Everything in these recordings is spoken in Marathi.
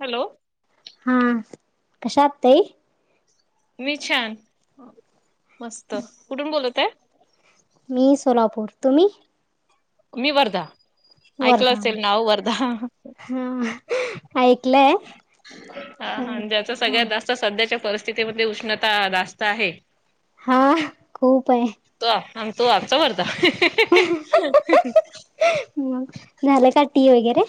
हॅलो, हा, कशात ताई. मी छान [inaudible] मस्त कुठून बोलत आहे? मी सोलापूर तुम्ही, मी वर्धा, ऐकलं वर्धा. असेल नाव वर्धा. हा ऐकलंय, पण हा ज्याचा सगळ्यात हा. जास्त सध्याच्या परिस्थितीमध्ये उष्णता जास्त आहे. हा [unintelligible] उपाय. तो आम तो आमचा वरता. झाल का टी वगैरे?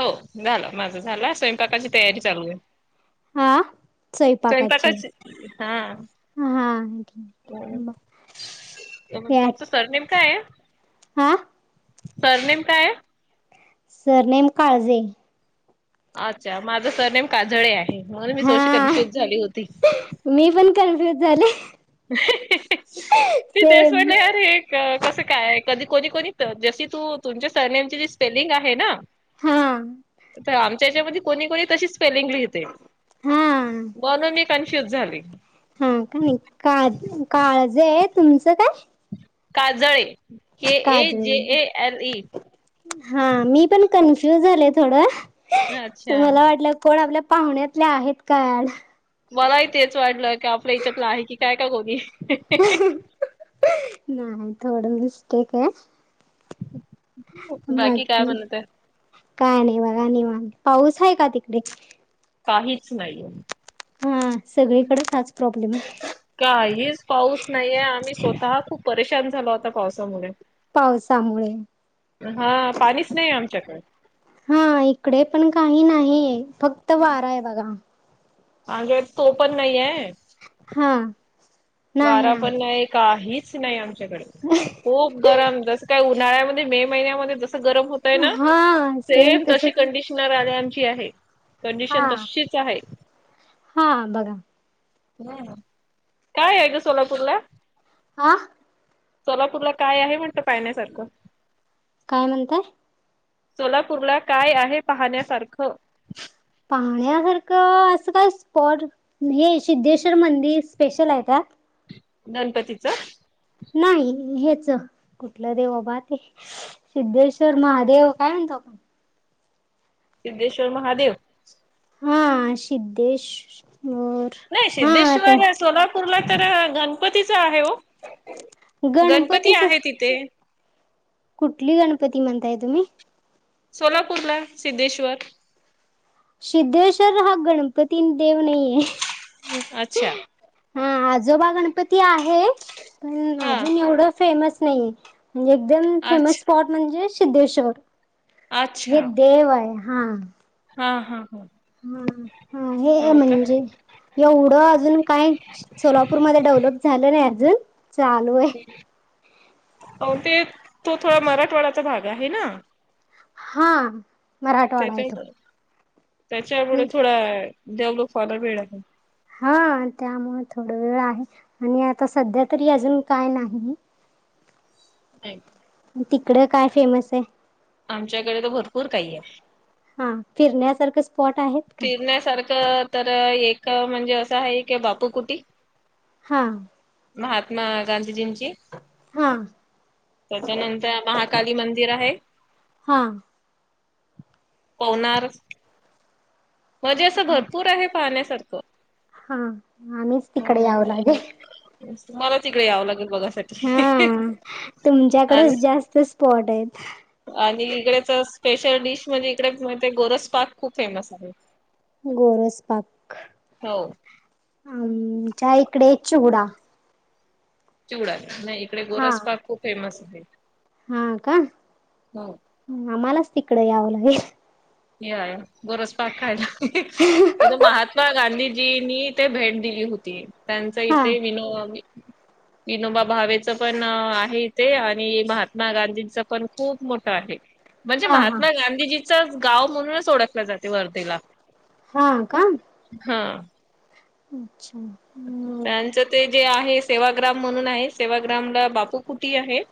हो झालं, माझं झालं. स्वयंपाकाची तयारी चालू आहे. आ? स्वयंपाकाची हा हा. [unintelligible] तर मग तुमचं सर नेम काय आहे? आ. सरनेेम काय आहे? सरनेम काळजे. अच्छा! माझं सरनेेम काजळे आहे म्हणून मी हा थोडीशी कन्फ्युज झाली होती. मी पण कन्फ्युज झाले. [unintelligible] सेम ते कसं काय कधी कोणी कोणी जशी तू तुमच्या सरनेमची जी स्पेलिंग आहे ना. हा. तर आमच्या याच्यामध्ये कोणी-कोणी कशी स्पेलिंग लिहिते. हा. म्हणून मी कन्फ्युज झाली. हा का नाही का काळजी आहे तुमचं काय? काजळे के ए काजळे जे ए एल इई. हा मी पण कन्फ्युज झाले थोड अच्छा मला वाटलं कोण आपल्या. पाहुण्यातल्या आहेत का. मलाही तेच वाटलं की आपलं हच्यातलं आहे की काय का कोणी. नाही थोडं मिस्टेक आहे. हम्. बाकी काय नाही बघा नाही मग पाऊस आहे का तिकडे. काहीच नाही. हा सगळीकडे हाच प्रॉब्लेम आहे. काहीच पाऊस नाहीये आम्ही स्वतः खूप परेशान झालो होता पावसामुळे. पावसामुळे हा पाणीच नाही आमच्याकडे. हा इकडे पण काही नाही फक्त वारा आहे बघा. हजे तो पण नाहीये. हा. वारा पण नाही काहीच नाही आमच्याकड. [unintelligible] खूप गरम जसं काही उन्हाळ्यामध्ये मे महिन्यामध्ये जसं गरम होत. तय ना हा सेम तशी तसच कंडिशन आले आमची आहे. हा कंडिशन तशीच आहे. [inaudible] हा बघा काय आहे ग सोलापूर ला. आ. सोलापूरला काय आहे म्हणट पाहिण्यासारखं. काय म्हणताय? सोलापूर ला काय आहे पाहण्यासारखं? पाहण्यासारखं असं काय स्पॉट हे सिद्धेश्वर मंदिर स्पेशल आहे का. गणपतीचं. नाही हेच कुठलं देवबा ते. सिद्धेश्वर महादेव काय म्हणतो आपण. सिद्धेश्वर महादेव. हा सिद्धेश्वर. नाही हा त्या सिद्धेश्वर सोलापूरला तर गणपतीच आहे हो. गणपती गणपतीच आहे तिथे‌. कुठली गणपती म्हणताय तुम्ही? सोलापूर ला सिद्धेश्वर. सिद्धेश्वर हा गणपती देव नाहीये. अच्छा! हा आजोबा गणपती आहे पण हा अजून एवढं फेमस नाही. म्हणजे एकदम फेमस अच्छा स्पॉट म्हणजे सिद्धेश्वर अच्छा हे देव आहे. हा. हा हा. हा हा हे हो का म्हणजे. एवढं अजून काय सोलापूरमध्ये डेव्हलप झालं नाही अजून चालू. आहे अव ते तो थोडा मराठवाड्याचा भाग आहे ना. हा मराठवाडा आहे ते. त्याच्या त्याच्यामुळे थोडा डेवलप व्हायला वेळ. हा त्यामुळे थोड वेळ आहे आणि आता सध्या तरी अजून काय नाही. [unintelligible] तिकडं काय फेमस आहे? आमच्याकडे तर भरपूर काही आहे. हा फिरण्यासारखे स्पॉट आहेत? का फिरण्यासारखं तर एक म्हणजे असं आहे की बापू कुटी. हा. महातत्मा गांधीजींची. हा त्याच्यानंतर महाकाली मंदिर आहे [inaudible] हा पवणार. म्हणजे असं हा भरपूर आहे पाहण्यासारखं. हा आम्हीच तिकडे याव लागेल. मला तिकडे यावं लागेल बघासाठी हा आणि तुमच्याकडेच जास्त. स्पॉट आहेत. आणि इकडेच स्पेशल डिश म्हणजे इकडे ते गोरस पार्क खूप फेमस आहे. गोरस पाक हो आमच्या इकडे चिवडा. चिवडा नाही इकडे हा गोरस पा्क खूप फेमस आहे. हा काय. हम्. आम्हालाच तिकडे यावं लागेल. या बोरसप कायला इ महात. महात्मा गांधीजींनी तेे भेट दिली होती त्यांचा हा इथे विनो. [inaudible] विनोबा भावेचं पण आहे इथे आणि महात्मा गांधींचं पण खूप मोठं आहे. म्हणजे हा हा महात्मा गांधीजीचं गाव म्हणूनच ओळखले जाते वर्धेला. हा का. हा. अच्छा! मग त्यांचं ते जे आहे सेवाग्राम म्हणून आहे सेवाग्रामला बापू कुटी आहे.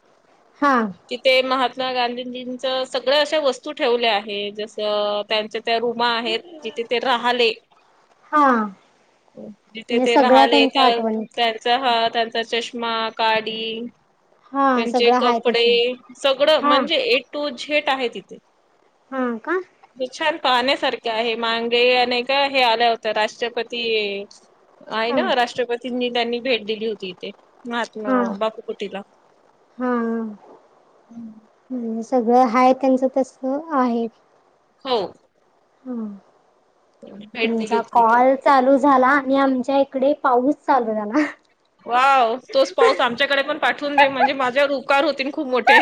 हा. तिथे महात्मा गांधीजींचं सगळं अशा वस्तू ठेवल्या आहे जसं त्यांच्या. त्या रूमा आहेत जिथे ते राहिले. हा. म्हणजे तेथे सगळ्या राहिले त्यांच्या त्या आठवणीत त्यांचा हा त्यांचा चष्मा, काडी. हा त्यांचे सगळं हाय कपडे तसं आहे सगळं हा म्हणजे ए टू झेट आहे तिथे. हा का? छान पाहण्यासारखे आहे मांगेने का हे आलं होतं राष्ट्रपती. आहे हा ना राष्ट्रपतींनी त्यांनी भेट दिली होती इथे. महात्मा हा बापू कुटील. हा म्हणजे सगळं हाय त्यांचं तस आहे. हो. ह भेट दिली तुमचा होती तिथे. कॉल चालू झाला आणि आमच्या इकडे पाऊस चालू झाला. वाव! तोच पाऊस आमच्याकडे पण पाठवून दे, म्हणजे माझ्यावर उपकार होतील खूप मोठे.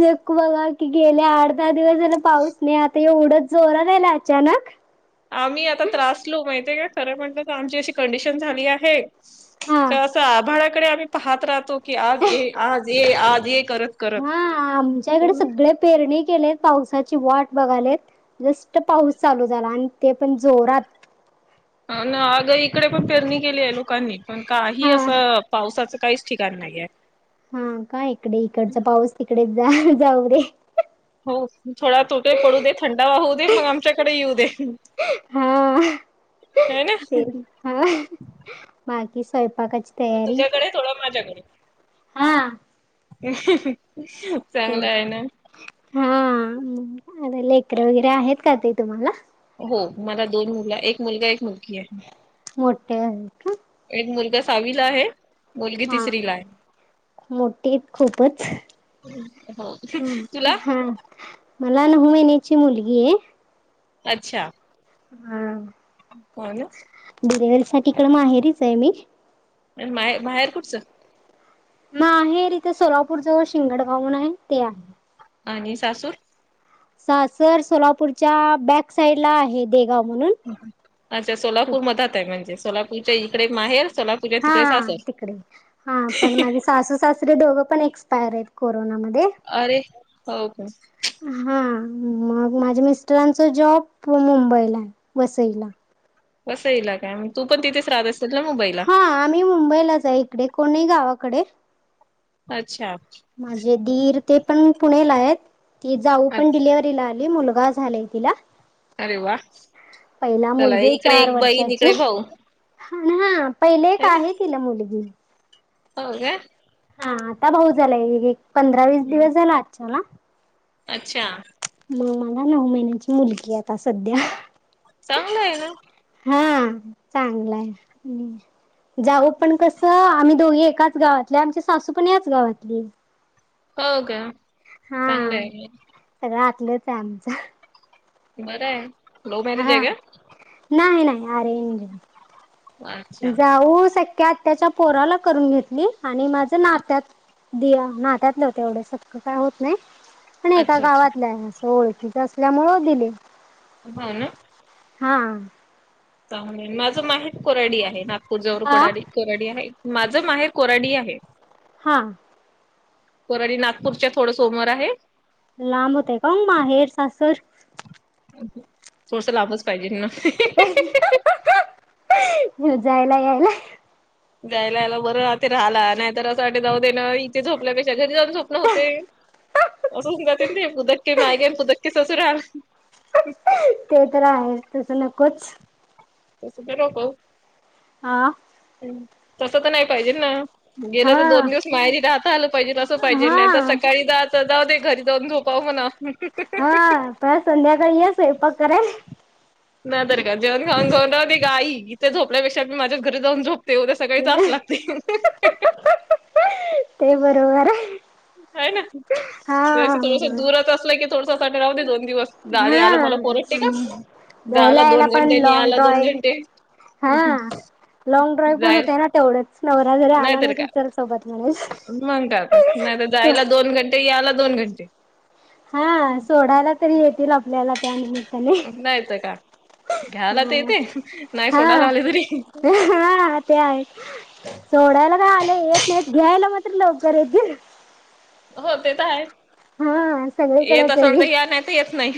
न बघा की गेले आठ दहा दिवस झाले पाऊस नाही आता एवढ जोरान यालाय अचानक. आम्ही आता त्रासलू माहितीय का खरं म्हटलं तर आमची अशी कंडिशन झाली आहे. हा तर तर आभाळाकडे आम्ही पाहत राहतो, की आज ये आज ये आज ये करत. करत हा आमच्याकडे पण सगळे पेरणी केलेत, पावसाची वाट बघालेत जस्ट पाऊस चालू झाला, आणि ते पण जोरात. हा ना. अग इकडे पण फेरणी केली आहे लोकांनी, पण काही हा असं पावसाच काहीच ठिकाण नाहीये. हा का इकडे, इकडचा पाऊस तिकडेच जा जाऊ रे. हो थोडा तोट पडू दे, थंडावा होऊ दे मग आमच्याकडे येऊ दे. हा हय ना. ते हा. बाकी स्वयंपाकाची अ तयारी तुझ्याकडे थोडं माझ्याकडे हा, [unintelligible] ना [unintelligible] हा लेकर वगैरे आहेत का ते तुम्हाला? हो मला दोन मूल एक मुलगा एक मुलगी आहे. मोठे आहेत का? एक मुलगा सहावीला आहे. मुलगी हा तिसरी ला आहे. मोठी खूपच हो [inaudible] हम तुला हा मला नऊ महिन्याची मुलगी हाय. अच्छा, हम्, आलो, डिलेव्हरी साठी इकड आहेरीच आहे मी आणि माय बाहेर कुठचं. म आहे तिथे सोलापूर ज शिंगडगावण आहे ते आहे. आणि सासूर, सासर सोलापूरच्या बॅक साइड ला आहेत. देगाव म्हणून, ह ह, अच्छा सोलापूर मधात आहे म्हणजे? सोलापूरच्या इकडे माहेर सोलापूरच्या तिकडे हा सासर? तिकडे. हा पण माझे सासू सासरीे दोघं पण एक्सपायर आहेत कोरोनामध्ये, अरे हो का? हा मग माझ्या मिस्टरांचा जॉब मुंबईला आहे वसईला. कसंईला काय माहित. तू पण तिथच राहत असेल ना मोबाईल हा आम्ही मुंबईलाच आहे इकडे, कोण नई गावाकडे अच्छा. माझे दीर ते पण पुणेला आहेत, ती जाऊ अच्छ पण डिलिवर ला आली, मुलगा झालाय तिला. अरे वा पहिला चला मुलगीय इकडे चार एक बहीण वर्षाची. इकडे भाऊ हम्म पहिले एक आहे तिला मुलगी. हो का. हा आता भाऊ झालाय एक पंधरा-वीस हं. दिवस झाला आजच्याला अच्छा. मग मला नऊ महिन्याची मुलगी आता सध्या चांगलंय ना. हा चांगलाय आणि जाऊ पण कसं आम्ही दोघी एकाच गावातले आमची सासू पण याच गावातली हो का चांगलं आहे. राहलंच आमचं. बरं आहे. लव्ह मॅरेज हा आहे का? नाही नाही अरेंज अच्छा जाऊ सक्या आत्या्याच्या पोराला करून घेतली आणि माझ नात्यात दिया नात्यातले होते एवढे सतं काय होत नाही आणि एका अच्छा अच्छा गावातलं आहे. ओळखीच असल्यामुळे दिले. होय ना. हा. चांग माझं माहीर कोराडी आहे नागपूर जवळ आ कोराडी कोराडी आहे माझं माहेर कोराडी आहे. हा. कोरडी नागपूरच्या थोडं सोमोर आहे. लांब होते कांग माहेर सासर थोडस लाभच पाहिजे. त जायला यायला जायला याला बरं ते राहिला नाही तर असं वाट जाऊ दे ना इथे झोपल्यापेक्षा घरी जाऊन झोप नव्हते. असं जात नाही कुदक्ककी मायगे कुदक्ककीच असू राहा. ते तर आहे तसं नकोच. तस तररक हा. तस तर नाही पाहिजे ना गेला तर हा दोन दिवस मायरी दात आल पाहिजे असं पाहिजे नाही तर हा सकाळी जा जाऊ ते घरी जाऊन झोपाव म्हणा. हा पण संध्याकाळी आहे स्वैपाक करे नाही तर का जेवण खाऊ घाऊनहते गाई इथे झोपल्यापेक्षा मी माझ्याच घरी जाऊ झोप. ते उदया सकाळी जास् लागते. ते बरोबर हो ना. [unintelligible] जसं थोडसं बरोबर दूरात असलं की थोडसं सा राहू दे दोन दिवसले हा आलं मला परट टेका आणि जायला गला यायला दोन पण घंटे आणि लॉंग आला दोन घंटे. लँग ड्राईव्ह पण जाईल होते ना तेवढंच नवरा जरी आला नाहीतर नाही त्या तर काय सोबत म्हणे. मग काय तर नाही तर जायला दोन घंटे यायला दोन घंटे. हा सोडायला तरी येतील आपल्याला त्या निमित्. नाहीच का घ्याला तर येते नाही हा सोडायला आले तरी. [inaudible] हा ते आहे सोडायला काय आलं येत नाही घ्यायला मात्र लोक गर. हो ते तर आहे. हा [inaudible] येत सगळीकडेच असंव तर आहे या नाही तर येत नाही.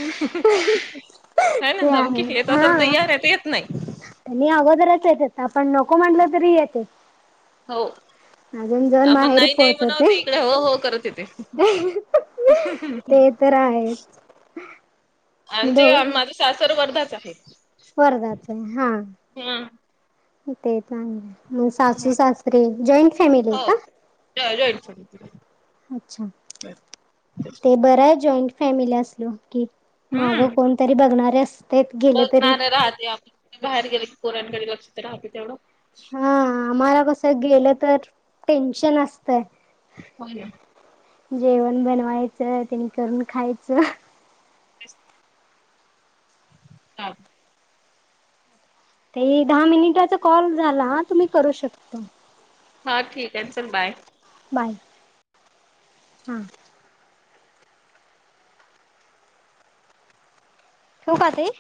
काय ना ते धमकी आहे येत असाल तर हा यार आहे तर येत नाही. त्यांनी अगोदरच येतात आपण नको म्हटलं तरी येतात. हो. अजून जउन आपण माहेरी नाही नाही पोहच म्हणाव होते. ते इकडे हो हो करत येते ते तर आहेच. आमचे माझं सासर वर्धाच आहे. वर्धाचाय हा, हम्म ते चांगलंय. सासू सासरीे जॉईंट फॅमिली आहे हो का? [unintelligible] [inaudible] अच्छा ते बरं आहे जॉईंट फॅमिली असला की मागं कोणतरी बघणारेस. बग ना [unintelligible] आपण बाहेर गेले की पोरांकडे लक्ष तर राहते तेवढं. हा आम्हाला कस, गेलं तर टेन्शन असतय. हो ना. जेवण बनवायचं, त्यांनी करून खायचं. अस हा. ते दहा मिनिटाचा कॉल झाला हा, तुम्ही करू शकता. हा ठीकाय, चल बाय. बाय, हां. ठिऊ का तई?